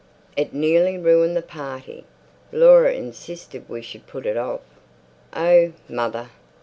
It nearly ruined the party. Laura insisted we should put it off." "Oh, mother!"